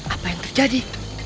apa yang terjadi